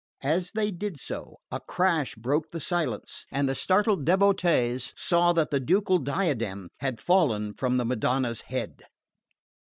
As they did so a crash broke the silence, and the startled devotees saw that the ducal diadem had fallen from the Madonna's head.